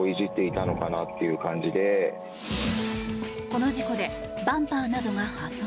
この事故でバンパーなどが破損。